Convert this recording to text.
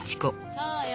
そうよ。